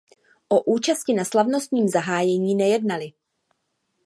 O účasti na slavnostním zahájení nejednali.